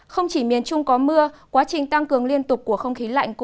không chỉ miền trung có mưa quá trình tăng cường liên tục của không khí lạnh